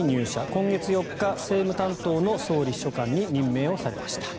今月４日、政務担当の総理秘書官に任命をされました。